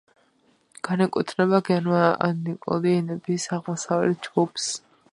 განეკუთვნება გერმანიკული ენების აღმოსავლეთ ჯგუფს.